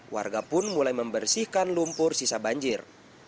warga pun mulai membersihkan lumpur sisa banjir